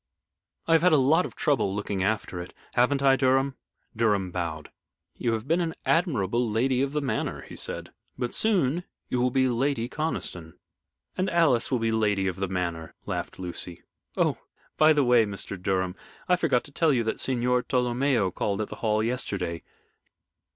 I have had a lot of trouble looking after it. Haven't I, Mr. Durham?" Durham bowed. "You have been an admirable Lady of the Manor," he said. "But soon you will be Lady Conniston." "And Alice will be Lady of the Manor," laughed Lucy. "Oh, by the way, Mr. Durham, I forgot to tell you that Signor Tolomeo called at the Hall yesterday.